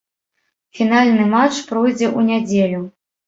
Фінальны матч пройдзе ў нядзелю.